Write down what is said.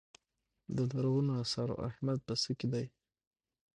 د لرغونو اثارو اهمیت په څه کې دی.